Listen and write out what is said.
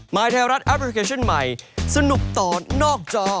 ไทยรัฐแอปพลิเคชันใหม่สนุกต่อนอกจอ